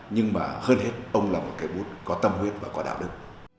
nhưng mà hơn hết ông là một cái bút có tâm huyết và có đạo đức